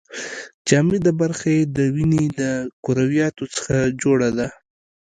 جامده برخه یې د وینې د کرویاتو څخه جوړه ده.